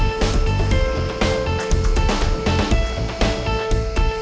itu tengahinnya kal ya